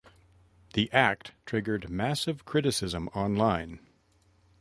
The act triggered massive criticism online.